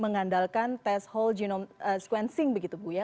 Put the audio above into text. mengandalkan test whole genome sequencing begitu bu ya